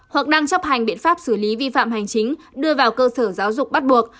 hoặc đang chấp hành biện pháp xử lý vi phạm hành chính đưa vào cơ sở giáo dục bắt buộc